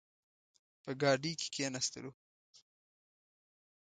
په ګاډۍ کې کښېناستلو.